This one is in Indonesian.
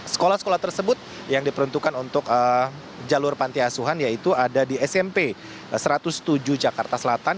sekolah sekolah tersebut yang diperuntukkan untuk jalur panti asuhan yaitu ada di smp satu ratus tujuh jakarta selatan